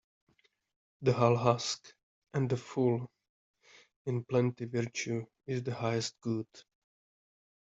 The hull husk and the full in plenty Virtue is the highest good.